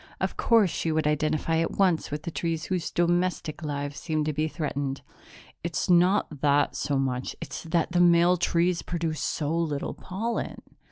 Of course she would identify at once with the trees whose domestic lives seemed to be threatened. "It's not that so much. It's that the male trees produce so little pollen."